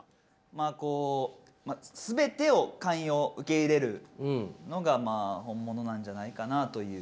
まあこう全てを寛容受け入れるのが本物なんじゃないかなという。